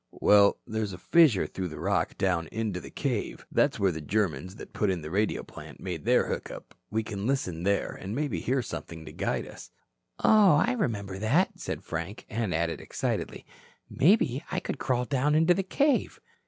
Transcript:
"Well, there's a fissure through the rock down into the cave. That's where the Germans that put in the radio plant made their hook up. We can listen there, and maybe hear something to guide us." "Oh, I remember that," said Frank, and added excitedly: "Maybe I could crawl down into the cave."